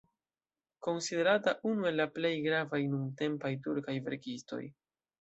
Konsiderata unu el la plej gravaj nuntempaj turkaj verkistoj.